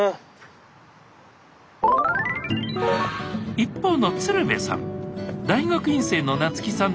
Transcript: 一方の鶴瓶さん